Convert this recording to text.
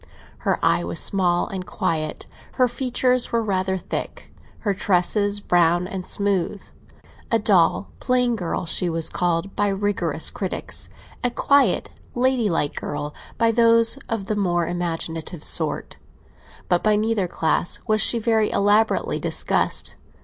Her eye was small and quiet, her features were rather thick, her tresses brown and smooth. A dull, plain girl she was called by rigorous critics—a quiet, ladylike girl by those of the more imaginative sort; but by neither class was she very elaborately discussed.